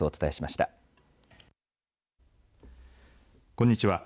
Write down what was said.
こんにちは。